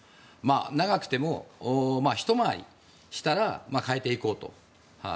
長くても１回りしたら代えていこうと。